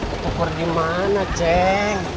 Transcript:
ketuker dimana ceng